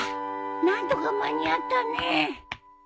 何とか間に合ったね。